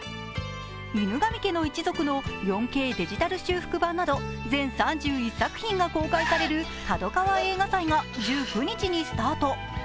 「犬神家の一族」の４Ｋデジタル版の全３１作品が公開される角川映画祭が１９日にスタート。